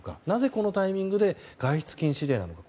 なぜこのタイミングで外出禁止令が。